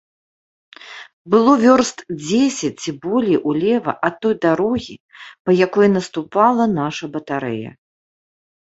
Было вёрст дзесяць ці болей улева ад той дарогі, па якой наступала наша батарэя.